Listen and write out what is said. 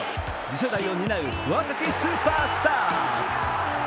次世代を担う若きスーパースター。